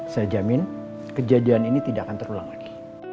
saya jamin kejadian ini tidak akan terulang lagi